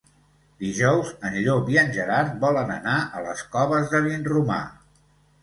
Dijous en Llop i en Gerard volen anar a les Coves de Vinromà.